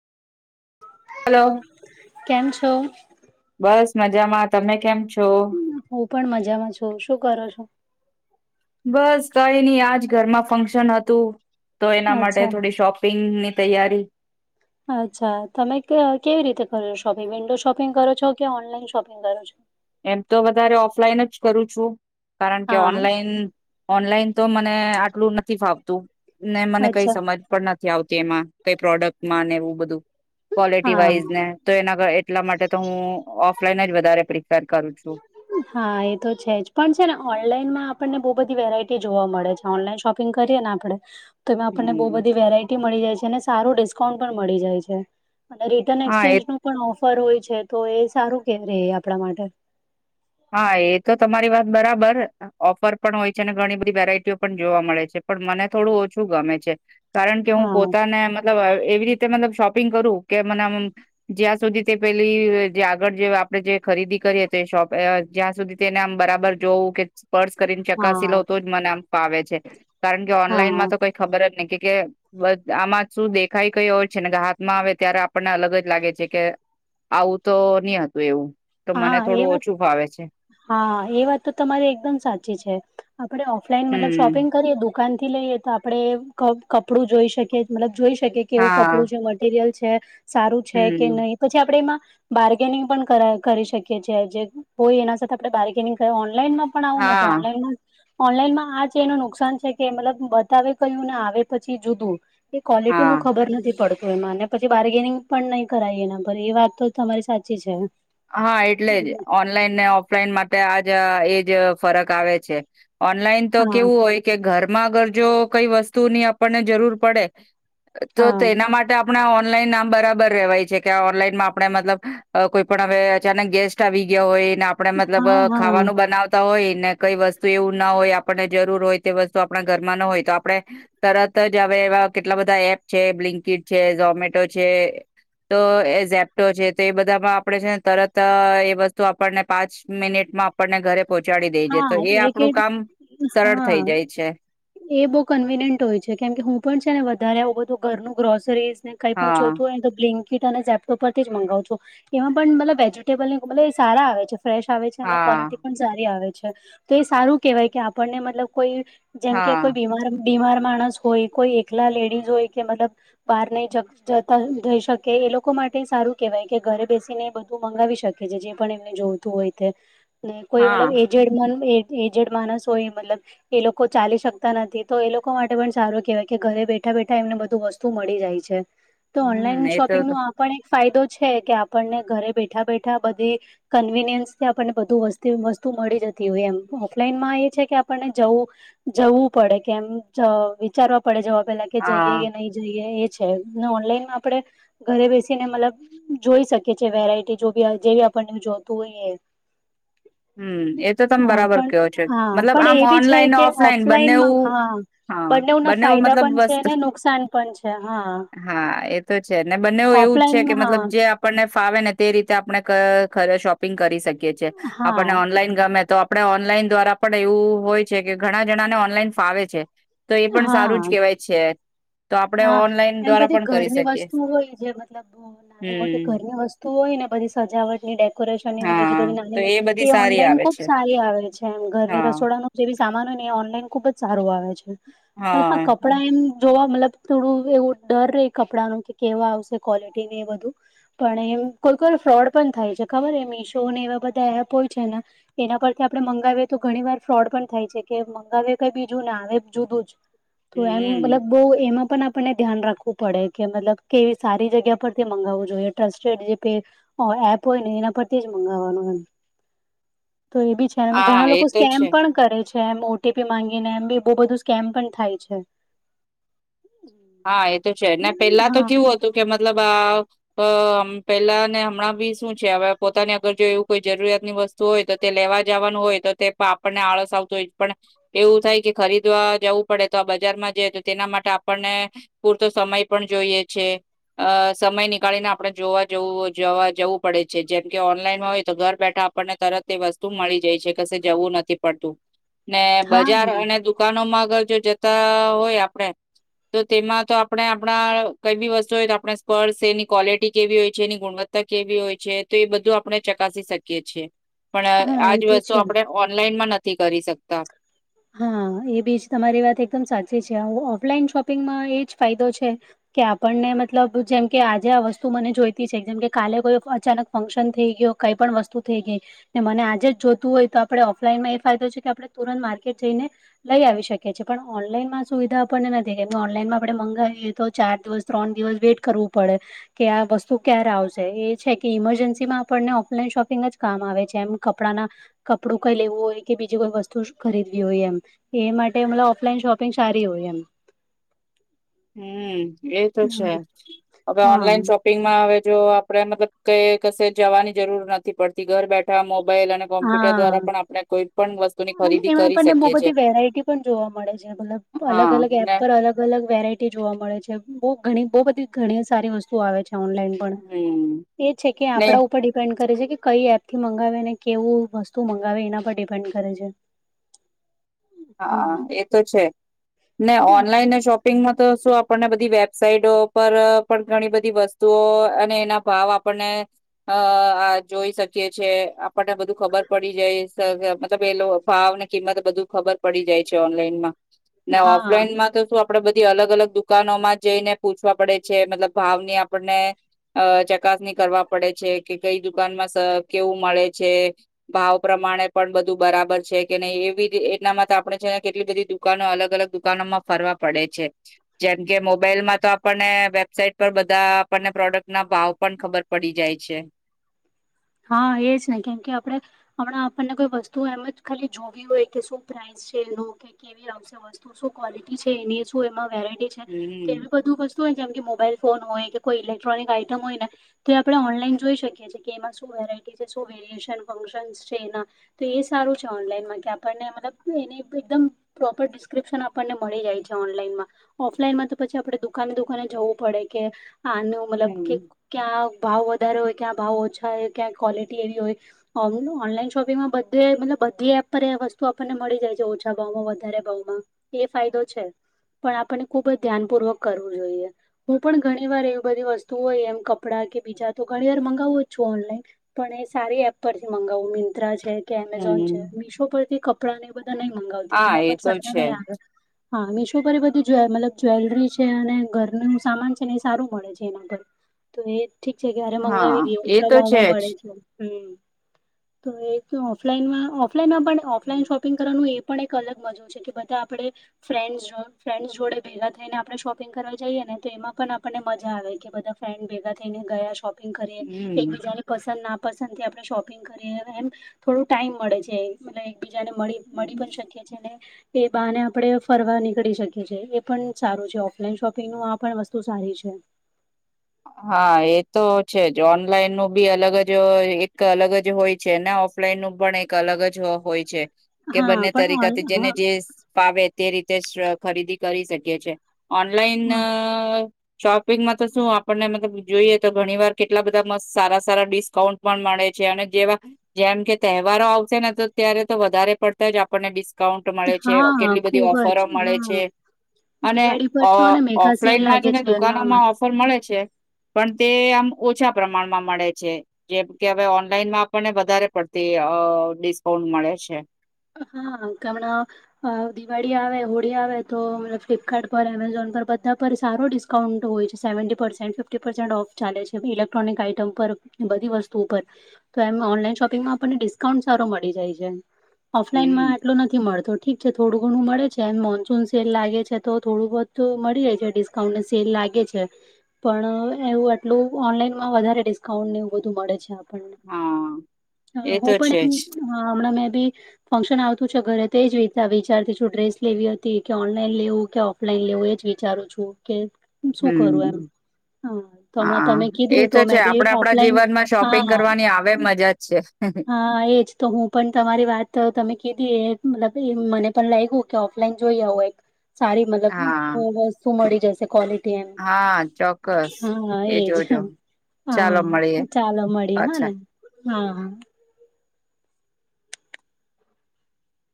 Hello કેમ છો? બસ, મજામાં. તમે કેમ છો? હું પણ મજામાં છું. શું કરો છો? બસ, કઈ ની આજ ઘરમાં ફંક્શન હતું, તો એના માટે અચ્છા થોડી શોપ પિંગની તૈયારી અચ્છા, તમે ક-કેવી રીતે કરો છો શોપિંગ? વિન્ડો શોપિંગ કરો છો? કે ઓનલાઈન શોપિંગ કરો છો? એમ તો વધારે ઓફલાઈન જ કરું છું. કારણ કે હા. ઓનલાઈન ઓનલાઈન તો મને આટલું નથી ફાવતું, ને મને કઈ અચ્છા સમજ પણ નથી આવતી એમાં. કઈ પ્રોડક્ટમાં ને એવું બધું, ક્વોલિટી હા વાઈઝને તો એના એટલા માટે તો હું ઓફલાઈન જ વધારે પ્રિફેર કરું છું. હા એ તો છે જ પણ છે ને ઓનલાઈનમાં આપણને બહ બધી વેરાયટી જોવા મળે છે. ઓનલાઈન શોપિંગ કરીએ ને આપડે તો એમાં આપણને બહુ હમ, બધી વેરાયટી મળી જાય છે અને સારું ડિસ્કાઉન્ટ પણ મળી જાય છે. અને રિટર્ન હા એ એક્સચેન્જ નું પણ ઓફર હોય છે તો એ સારું કેવાય આપણા માટે હા એ તો તમારી વાત બરાબર ઓફર પણ હોય છે અને ઘણી બધી વેરાયટીઓ પણ જોવા મળે છે પણ મને થોડું ઓછું ગમે છે. કારણ કે હું હા પોતાને મતલબ એવી રીતે મતલબ શોપિંગ કરું કે મને જ્યાં સુધી તે પેલી જે આગળ જે આપડણે જે ખરીદી કરીએ તો શોપ જ્યાં સુધી તેને આમ બરાબર જોવું કે સ્પર્સ કરીને ચકાસી હા લાવ તો મને આમ ફાવે છે કારણ કે હા ઓનલાઈનમાં તો કઈ ખબર જ નહી કે બસ આમાં શું દેખાય કઈ હોય છે ને કે હાથમાં આવે ત્યારે આપણને અલગ જ લાગે છે કે આવું તો નહ હતું એવું તો મને હા એ થોડું વાત ઓછું ફાવે છે. હા એ વાત તો તમારે એકદમ સાચી છે આપડે ઓફલાઈન મતલબ હમ શોપિંગ કરીએ દુખ દુકાન થી લઈએ તો આપડને કપડું જોઈશ કે મતલબ જોઈ શકે કે એવું હા કપડું છે મટીરિયલ છે સારું છે કે હમ નહી પછી આપડે એમાં બાર્ગેનિંગ પણ કરાય કરી શકીએ છી જે હોય એના સાથે આપણે બાર્ગેનિંગ ઓનલાઈનમાં પણ આવું નથી હા ઓનલાઈનમાં ઓનલાઈનમાં આજ એનું નુકસાન છે કે મતલબ બતાવે કયું ને આવે પછી જુદું એ ક્વોલિટી નું હા ખબર નથી પડતું એમાંને પછી બાર્ગેનિંગ પણ નહી કરાા એના પર એ વાત તો તમારી સાચી છે. હા એટલે જ ઓનલાઈન ને ઓફલાઈન માટે આજ એજ ફરક આવે છે. ઓનલાઈન તો હા કેવું હોય કે ઘરમાં અગર જો કઈ વસ્તુની આપણને જરૂર પડે તો હા તેના માટે આપણે ઓનલાઈન નામ બરાબર રેવાય છે કે ઓનલાઈનમાં આપને મતલબ કોઈ પણ હવે અચાનક ગેસ્ટ આવી ગયા હોય ને આપને મતલબ હા હા ખાવાનું બનાવ વતા હોય ને કઈ વસ્તુ એવું ના હોય આપણને જરૂર હોય તે વસ્તુ આપણા ઘરમાં ના હોય તો આપને તરત જ હવે એવા કેટલા બધા એપ છે બ્લિંકીડ છે ઝોમેટો છે તો એ ઝેપટો છે તો એ બધામાં આપડે છે ને તરત એ વસ્તુ આપણને પાંચ મિનિટમાં આપણને ઘરે પહોંચાડી દેજે તો હા એ એક આપણું એક કામ સરળ થઇ હા જાય છે. એ બહુ કન્વીિનિયન્ટ હોય છે કેમ કે હું પણ છે ને વધારે આવું બધું ઘરનું ગ્રોસરીઝ ને કઈ પણ હા, જોતું હોય તો બ્લિન્કી કિટ અને ઝેપ્ટો પરથી જ મગાવુ છું એમાં પણ મતલબ વેજીિટેબલ મતલબ એ સારા આવે છે ફ્રેશ આવે છે અને હા, ક્વોલિટી પણ સારી આવે છે તો એ સારું કેહેવાય કે આપણને મતલબ કોઈ જેમકે હા, કોઈ બીમાર બીમાર માણસ હોય કોઈ એકલા લેડીઝ હોય કે મતલબ બહાર નહી જ જતા જઈ શકે એ લોકો માટે સારું કેહેવાય કે ઘરે બેસીને બધું મંગાવી શકે છે જે પણ એમને જોવું હોય કોઈ હા. એજ એજેડ માણસ હોય મતલબ એ લોકો તો ચાલી શકતા નથી તો એ લોકો માટે પણ સારું કેહેવાય કે ઘરે બેઠા બેઠા એમને બધું વસ્તુ મળી જાય છે. તો ઓનલાઈન હમ એ તો શોપિંગ નો આ પણ એક ફાયદો છે કે આપણને ઘરે બેઠા બેઠા બધે કન્વીિનિયન્સ થી આપણને બધું વસ્તુ મળી જતી હોય એમ ઓફલાઈન માં એ છે કે આપણને જવું જવું પડે કેમ વિચારવા પડે જવા પેલા કે જઈએ હા કે નહી એ છે ઓનલાઈનમાં આપણે ઘરે બેસીને મતલબ જોઈ શકે છે વેરાયટી જોકે જે આપણને જોતું હોઈ. [inaudible] હમ એ તો તમે બરાબર કહો છો મતલબ પણ આમ એ બી છે ઓનલાઈન ને કે ઓફલાઈન બંનેવુ. ઓફલાઈનમાં હા હા બંનેવના બને ફાયદા મતલબ પણ છે વસ્ત અને નુકસાન પણ છે હા હા એ. તો છે ને બંને એવું જ છે કે મતલબ ઓફલાઈનમાં જે આપણને ફાવે ને તે રીતે આપણે શોપિંગ કરી શકીએ છીએ. હા આપણને હા ઓનલાઈન ગમે તો આપને ઓનલાઈન દ્વારા પણ એવું હોય છે કે ઘણા જણા ને ઓનલાઈન ફાવે છે. તો એ પણ સારું હા જ કેવાય છે. તો આપણે હા ઓનલાઈન એમ દ્વારા બધી પણ કરી ઘરની શકીએ વસ્તુ હોય જે મતલબ નાની મોટી હમ ઘરની વસ્તુ હોય ને બધી સજાવટ ની ડે. પરેશાની ને બીજી હા બધી તો નાની બધી એ સારી ઓનલાઈન આવે ખુબ છે સારી આવે છે એમ ઘરની હા રસોડાનું જેવી સામાનો હો ને એ ઓનલાઈન ખુબ જ સારું આવે છે પણ હા કપડા એમ જોવા મતલબ થોડું એવો ડર રહે કપડા નુ કે કેવા આવશે ક્વોલિટીને એ બધું પણ એમ કોઈ કો ફ્રોડ પણ થાય છે ખબર મીશો ને એવા બધા એપ હોય છે ને એના પરથી આપડણે મંગાવીએ તો ઘણી વાર ફ્રોડ પણ થાય છે કે મંગાવએ કઈ બીજું ના આવે જુદું તો એમ હમ મતલબ બો એમાં. પણ આપણને ધ્યાન રાખવું પડે કે મતલબ કેવી સારી જગ્યા પરથી મગાવવું જોઈએ ટ્રસ્ટેડ જે પે ઓ એપ હોય ને એના પરથી જ મંગાવવાનું એમ તો એ બી ઘણા હા, એ લોકો તો સ્કેમ છે. પણ કરે છે એમ ઓટીપી માંગીને એમ બી બહુ બધું સ્કેમ પણ થાય છે. હા એ તો છે ને હમ, પેલા તો હા કેવું હતું કે મતલબ આ અ પેલા ને હમણાં બી શું છે હવે પોતાની અગર જો એવું કોઈ જરૂરિયાતની વસ્તુ તો તે લેવા જવાનું હોય તો તે આપણને આળસ આવતું હોય પણ એવું થાય કે ખરીદવા જવું પડે તો આ બજારમાં જઈ તો તેના માટે આપણને પૂરતો સમય પણ જોઈએ છે. અ સમય નીકાળીને આપડણે જોવા જવું જોવા જવું પડે છે જેમ કે ઓનલાઈનમાં હોય તો ઘર બેઠા આપણને તરત એ વસ્તુ મળી જાય છે ક જવું નથી પડતું. ને બજાર હા અને દુકાનો માં આગળ જો જતા હોય આપડે તો તેમાં તો આપણે આપણા કઈ બી વસ્તુ હોય તો આપણે સ્પર્ડ એની ક્વોલિટી કેવી હોય છે એની ગુણવત્તા કેવી હોય છે તો એ બધું આપણે ચકાસી શકીએ છીએ. પણ હા એ આજ તો વસ્તુ છે આપણે ઓનલાઈન માં નથી કરી શકતા. હા એ બીજ તમારી વાત એકદમ સાચી છે ઓફલાઈન શોપિંગમાં એ જ ફાયદો છે. કે આપણને મતલબ જેમ કે આજે આ વસ્તુ મને જોઈતી છે જેમ કે કાલે કોઈ અચાનક ફંક્શન થઈ ગયો કઈ પણ વસ્તુ થઈ ગઈ. મને આજે જ જોતું હોય તો આપણે ઓફલાઈનમાં એ ફાયદો છે કે આપણે તુરંત માર્કેટ જઈને લઈ આવી શકિયે છે પણ ઓનલાઈનમાં સુવિધા આપણને નથી કેમ ઓનલાઈનમાં આપણે મંગાવીએ તો ચાર દિવસ ત્રણ દિવસ વેઇટ કરવું પડે. કે આ વસ્તુ ક્યારે આવશે એ છે કે ઈમરજન્સી માં આપણને ઓફલાઈન શોપિંગ જ કામ આવે છે એમ કપડાના કપડું કઈ લેવું હોય કે બીજી કોઈ વસ્તુ ખરીદવી હોય એમ એ માટે મતલબ ઓફલાઈન શોપિંગ સારી હોય એમ. હમ એ તો છે હવે હા ઓનલાઈન શોપ પિંગમાં હવે જો આપણે મતલબ કઈ કશે જવાની જરૂર નથી પડતી ઘર બેઠા મોબાઈલ અને કોમ્પ્યુટર હા દ્વારા પણ આપણે કોઈ પણ વસ્તુની અને ખરીદી એમાં કરી આપણને બહુ શકીએ છીએ. બધી વેરાયટી પણ જોવા મળે છે મતલબ અલગ હા અલગ એપ ને પર અલગ અલગ વેરાયટી જોવા મળે છે બહુ ઘણી બહુ બધી ઘણી સારી વસ્તુ આવે છે ઓનલાઈન. હમ્મ પણ એ છે કે ને આપડા ઉપર ડિપેન્ડ કરે છે કે કઈ એપ થી મંગાવે ને કેવું વસ્તુ મંગાવે એના પર ડિપેન્ડ કરે છે. હા હમ એ તો છે ને ઓનલાઈન ને શોપ પિંગમાં તો શું આપણને બધી વેબસાઇટો પર પણ ઘણી બધી વસ્તુઓ અને એના ભાવ આપ પણે. અ આ જોઈ શકીએ છે આપણને બધું ખબર પડી જાય મતલબ એ ભાવને કિંમત બધું ખબર પડી જાય છે ઓનલાઈનમાં ને હા ઓફલાઈન માં તો શું. આપડે બધી અલગ અલગ દુકાનો માં જઈને પૂછવા પડે છે મતલબ ભાવની આપણને અહ ચકાસણી કરવા પડે છે કે કઈ દુકાનમાં સ કેવું મળે છે. ભાવ પ્રમાણે પણ બધું બરાબર છે કે નહી એવી એ એટલામાં તો આપણે છે ને કેટલી બધી દુકાનો અલગ અલગ દુકાનો માં ફરવા પડે છે. જેમ કે મોબાઈલમાં તો આપણને વેબસાાઈટ પર બધા આપણને પ્રોડક્ટ ના ભાવ પણ ખબર પડી જાય છે. હા એજ હી કેમ કે આપડે હમણાં આપણને કોઈ વસ્તુ એમ જ ખાલી જોવી હોય કે શું પ્રાઇસ કે કેવી આવશે વસ્તુ શું ક્વોલિટી છે એની શું એમાં શું વેરાયટી હમ તેમ બધું બસ. શું જેમ મોબાઈલ ફોન હોય કે કોઈ ઇલેક્ટ્રોનિક આઈટમ હોય ને તે આપડે ઓનલાઈન જોઈ શકીએ છીએ. કે એમમાં શું શું વેરાયટી છે શું વેરયશન ફંક્શન છે એના તો એ સારું છે ઓનલાઈનમાં કે આપણને મતલબ એને એકદમ પ્રોપર ડિસ્ક્રિપ્શન આપણને મળી જાય છે ઓનલાઈનમાં. ઓફલાઈનમાં તો પછી આપડે દુકાને દુકાને જવું પડે કે, આનું મતલબ કે હમ ક્યાં ભાવ વધારે હોય ક્યાં ભાવ ઓછા હોય ક્યાં ક્વૉલિટી એવી હોય. ઓનલાઈન શોપિંગમાં બધે મતલબ બધી એપ પર વસ્તુ આપણને મળી જાય છે ઓછા ભાવમાં વધારે ભાવમાં. એ ફાયદો છે, પણ આપણને ખુબ જ ધ્યાનપૂર્વક કરવું જોઈએ. હું પણ ઘણી વાર એવી બધી વસ્તુ હોય એમ કપડાં કે બીજા તો ઘણી વાર મગાવું જ છું ઓનલાઈન. પણ એ સારી એપ પરથી મગાવવું મિંત્રા છે કે એમેઝોન છે હમ મીશો પરથી કપડાં ને બધ નહી મંગાવતી હા એમાં એ પણ તો સારા છે નહી આવે. હા મીશો પર એ બધું મતલ જ્વેલરી છે અને ઘરનું સામાન છે ને એ સારું મળે છે એના પર. તો એ ઠીક છે કરે હા મંગાવી દ એ ઓછા તો છે ગ જ તો ઓફલાનમાં ઓફલાઈનમાં પણ ઓફલાઈન શોપ પિંગ કરવાનું એ પણ એક અલગ મજું છે કે બધા આપડણે ફ્રેન્ડ ફ્રેન્સ જોડે ભેગા થઈને આપણે શોપિંગ કરવા જઈએ ને તો એમાં પણ આપણને મજા આવે કે બધા ફ્રેન્ડ ભેગા થઈને ગયા શોપિંગ કરી, એક હમ બીજા પસંદ ના પસંદ થી આપણે શોપિંગ કરીએ એમ, થોડું ટાઈમ મળે છે. મ એકબીજા ને મળી મળી હમ પણ શકીએ છીએ ને. એ બહને આપણે ફરવા નીકળી શકીએ છીએ એ પણ સારું છે ઓફલાઈન શોપિંગનું આ પણ વસ્તુ સારી છે.. હા એ તો છે જ ઓનલાઈન નું બી અલગ જ એક અલગ જ હોય છે ને. ફ્લા નું પણ એક અલગ જ હોય છે, કે હા બંને પણ તરીકા ઓન જેને જે ફાવે તે રીતે ખરીદી કરી શકીએ છીએ, ઓનલાઈન હા શોપિંગ માં તો શું આપ આપણને મતલબ જોઈએ તો ઘણી વાર કેટલા બધા મસ્ત સારા સારા ડિસ્કાઉન્ટ પણ મળે છે અને જેવા જેમ કે તહેવારો આવશે ને તો ત્યારે તો વધારે પડતા જ આપણને ડિકાઉન્ટ મળે છે હા હા કેટલી બધી ખૂબ ઓફરો જ મળે છે. હા અને દિવાળી પર છો ને મેઘા સેલ ઓફલાઈનમાં લાગે છે ને હા દુકાનોમાં ઓફર મળે. પણ તે આમ ઓછા પ્રમાણમાં મળે છે. જેમ કે હવે ઓનલાઈનમાં આપણને વધારે પડતી અ ડિસ્કાઉન્ટ મળે છે. હા કેમણા અ દિવાળી આવે હોળી આવે તો ફ્લિપકાર્ટ પર એમેઝોન પર બધા પર સારો ડિસ્ ડિસ્કાઉન્ટ હોય છે સેવટી, ફિફીટી ઓફ ચાલે છે ઇક્ટ્રોનિક આઈટમ પર બધી વસ્તુઓ તો એમ ઓનલાઈન શોપિંગમાં આપણને ડિસ્કાઉન્ટ સારું મળી જાય છે. ઓફલાઈનમાં હમ આટલું નથી મળતું. ઠીક છે થોડું ઘણું મળે છે એમ મોન્સૂન સેલ લાગે છે તો થોડું બહુ મળી જાય છે. ડિસ્ ડિસ્કાઉન્ટ ને સેલ લાગે છે. પણ એવું આટલું ઓનલાઈનમાં વધારે ડિસ્કાઉન્ટ ને એવું બધું મળે છે આમ. હા એ હા તો હું છે પણ જ એમ હમણાં મે બી ફંક્શન આવતું છે ઘરે તે જ વિતા વિચારતી છું. ડ્રેસ લેવી હતી કે ઓનલાઈન લેવું કે ઓફલાઈન લેવું એ જ વિચારું છું કે શું કરું એમ? હમ હા તો હમણાં હા તમે એ કીધું તો છે મેં બી આપડ આપણા ઓફલાઈન જીવનમાં શોપિંગ હા કરવાની આવે મજા જ છે. હા એજ તો હું પણ તમારી વાત તમે કીધી એ મતલબ એ મને પણ લાગ્યું. ઓફલાઈન જોઈ હો એક સારી મતલબ હા વસ્તુ મળી જ કો કોલેટી. હા ચોક્કસ હા એ એજ જોજો હા ચાલો મળીએ ચાલો મળીએ હા પાછા ને હા.